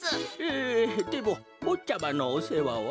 ええでもぼっちゃまのおせわは？